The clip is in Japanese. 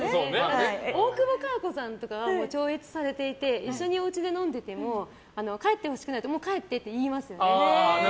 大久保佳代子さんとかはもう超越されていて一緒にお家で飲んでても帰ってほしくなるともう帰ってって言いますね。